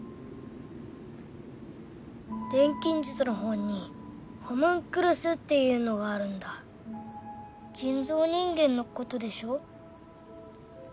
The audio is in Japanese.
錬金術の本にホムンクルスっていうのがあるんだ人造人間のことでしょ